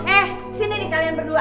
eh sini nih kalian berdua